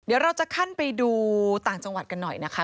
เดี๋ยวเราจะขั้นไปดูต่างจังหวัดกันหน่อยนะคะ